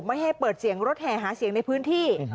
ไม่ให้เปิดเสียงรถแห่หาเสียงในพื้นที่